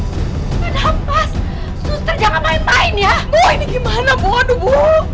enggak nafas suster jangan main main ya bu ini gimana bu aduh bu